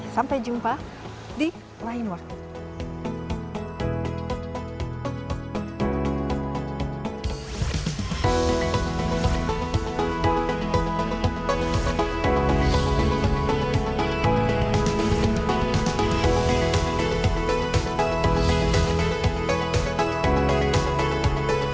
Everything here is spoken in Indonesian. sampai jumpa di lain waktu